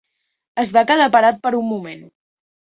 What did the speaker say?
Es va quedar parat per un moment.